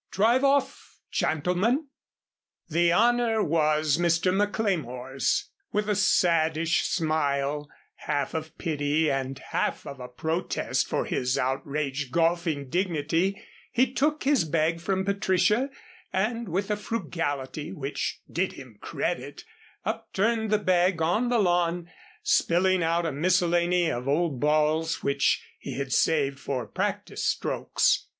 Drive off, gentlemen." The honor was Mr. McLemore's. With a saddish smile, half of pity and half of a protest for his outraged golfing dignity, he took his bag from Patricia, and with a frugality which did him credit, upturned the bag on the lawn, spilling out a miscellany of old balls which he had saved for practice strokes.